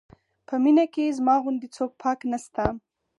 په مینه کې زما غوندې څوک پاک نه شته.